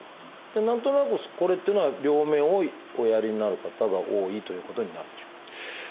何となくこれっていうのは両目をおやりになる方が多いということになるんでしょうか？